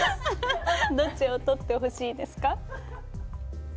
どっちを取ってほしいですか？